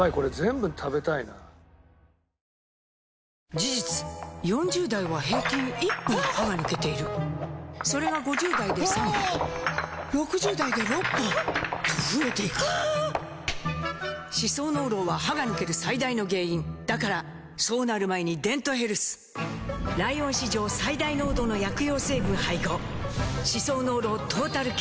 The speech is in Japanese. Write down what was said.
事実４０代は平均１本歯が抜けているそれが５０代で３本６０代で６本と増えていく歯槽膿漏は歯が抜ける最大の原因だからそうなる前に「デントヘルス」ライオン史上最大濃度の薬用成分配合歯槽膿漏トータルケア！